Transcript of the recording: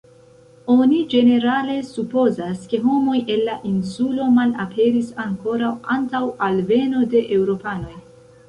Oni ĝenerale supozas, ke homoj el la insulo malaperis ankoraŭ antaŭ alveno de Eŭropanoj.